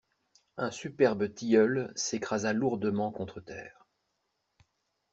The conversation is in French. Un superbe tilleul s'écrasa lourdement contre terre.